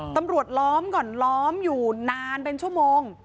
อ๋อตำรวจล้อมก่อนล้อมอยู่นานเป็นชั่วโมง